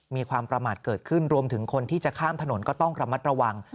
มีความประมาทเกิดขึ้นรวมถึงคนที่จะข้ามถนนก็ต้องระมัดระวัง